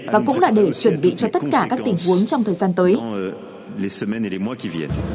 và cũng là để chuẩn bị cho tất cả các tình huống trong thời gian tới